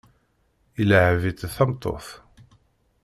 Ilεeb-itt d tameṭṭut.